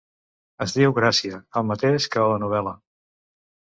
-Es diu Gràcia, el mateix que a la novel·la.